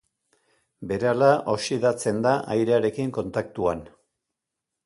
Berehala oxidatzen da airearekin kontaktuan.